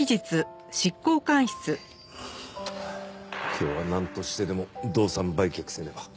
今日はなんとしてでも動産売却せねば。